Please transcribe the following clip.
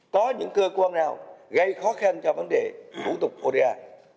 có những cơ quan nào gây khó khăn cho vấn đề thủ tục oda